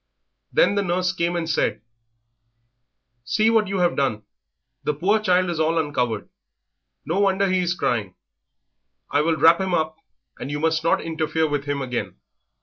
Then the nurse came and said "See what you have done, the poor child is all uncovered; no wonder he is crying. I will wrap him up, and you must not interfere with him again."